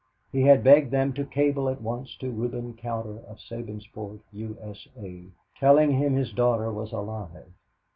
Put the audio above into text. He had begged them to cable at once to Reuben Cowder of Sabinsport, U. S. A., telling him his daughter was alive.